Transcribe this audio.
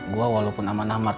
gue walaupun aman aman